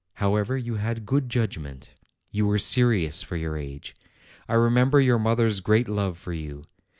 However, you had good judgment; you were serious for your age. I remember your mother's great love for you.